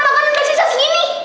makanan besi besi gini